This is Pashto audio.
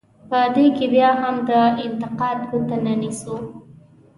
په دې کې بیا هم د انتقاد ګوته نه نیسو.